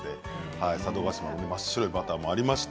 佐渡島の真っ白いバターもありました。